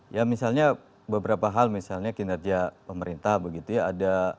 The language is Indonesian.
ya misalnya beberapa hal misalnya kinerja pemerintah begitu ya